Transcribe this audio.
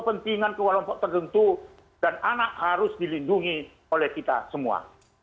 hentikan kewalaupun tergantung dan anak harus dilindungi oleh kita semua